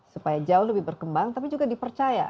supaya jauh lebih berkembang tapi juga dipercaya